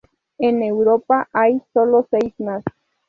En Europa solo hay seis más.